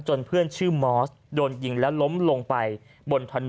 เพื่อนชื่อมอสโดนยิงแล้วล้มลงไปบนถนน